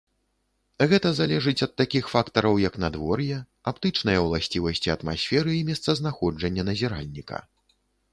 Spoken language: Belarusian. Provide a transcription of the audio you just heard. Гэта залежыць ад такіх фактараў як надвор'е, аптычныя ўласцівасці атмасферы і месцазнаходжанне назіральніка.